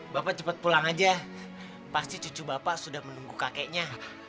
bapak cepat pulang aja pasti cucu bapak sudah menunggu kakeknya